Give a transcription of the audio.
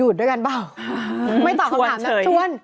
ชวนเศษ